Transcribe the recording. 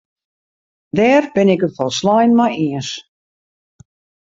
Dêr bin ik it folslein mei iens.